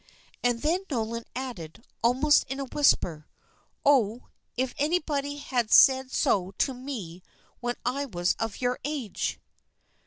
And then Nolan added, almost in a whisper, "Oh, if anybody had said so to me when I was of your age!"